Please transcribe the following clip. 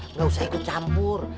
nggak usah ikut campur